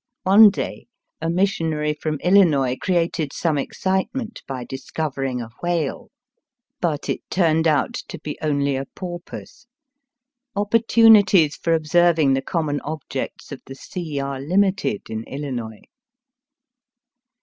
One day a missionary from Illinois created some excitement by discovering a whale ; but it turned out to be only a porpoise. Oppor tunities for observing the common objects of the sea are limited in Illinois.